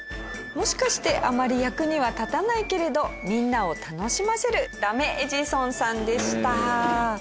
もしかしてあまり役には立たないけれどみんなを楽しませるダメエジソンさんでした。